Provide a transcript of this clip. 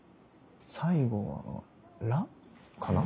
最後は「ラ」かな？